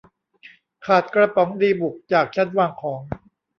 ขาดกระป๋องดีบุกจากชั้นวางของ